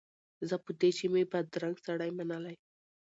زه په دې چي مي بدرنګ سړی منلی